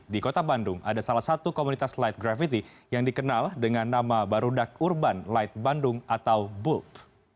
di kota bandung ada salah satu komunitas light gravity yang dikenal dengan nama barudak urban light bandung atau bulk